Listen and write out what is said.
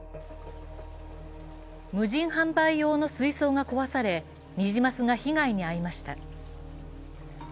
無人販売用の水槽が壊され、ニジマスが被害に遭いました。